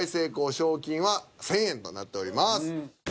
賞金は１，０００円となっております。